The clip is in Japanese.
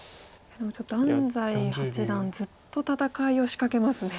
でもちょっと安斎八段ずっと戦いを仕掛けますね。